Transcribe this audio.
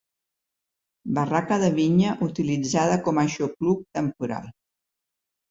Barraca de vinya utilitzada com a aixopluc temporal.